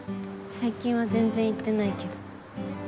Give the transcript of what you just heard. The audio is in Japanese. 最近は全然行ってないけど。